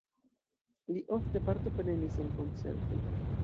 Li ofte partoprenis en koncertoj.